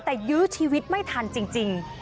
แต่ยื้อชีวิตไม่ทันจริง